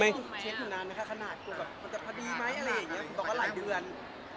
มันจะพอดีไหม